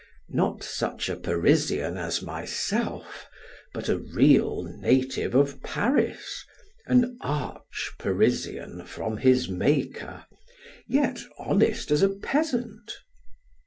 Not such a Parisian as myself, but a real native of Paris, an arch Parisian from his maker, yet honest as a peasant.